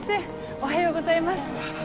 おはようございます。